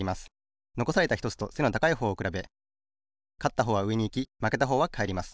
のこされたひとつと背の高いほうをくらべかったほうはうえにいきまけたほうはかえります。